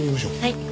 はい。